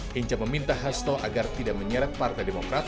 hinca meminta hasto agar tidak menyeret partai demokrat